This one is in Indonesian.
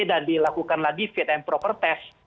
dan dilakukan lagi fit and proper test